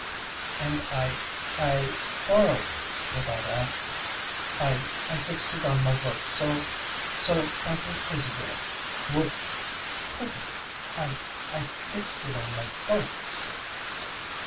"And I I borrowed it without asking. I I fixed it on my books so so Uncle Isadore wouldn't couldn't . I I fixed it on my books."